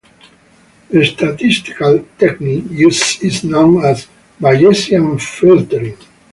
The statistical technique used is known as Bayesian filtering.